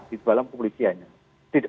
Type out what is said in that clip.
di dalam komisianya